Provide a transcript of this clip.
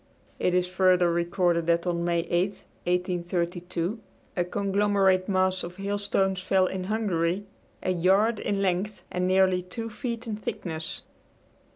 It is further recorded that on May 8, 1832, a conglomerate mass of hailstones fell in Hungary a yard in length and nearly two feet in thickness.